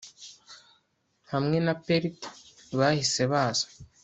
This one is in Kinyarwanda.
hamwe na pelt bahise baza